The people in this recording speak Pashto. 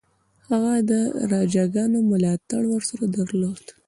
هغه د راجاګانو ملاتړ ورسره درلود.